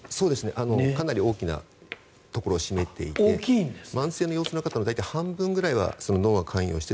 かなり大きなところを占めていて慢性の腰痛の方の半分ぐらいは脳が関与している。